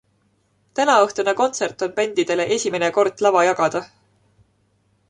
Tänaõhtune kontsert on bändidele esimene kord lava jagada.